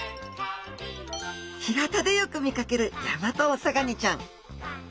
干潟でよく見かけるヤマトオサガニちゃん。